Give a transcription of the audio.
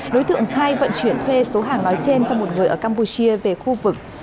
đối tượng hai vận chuyển thuê số hàng nói trên cho một người ở campuchia về khu vực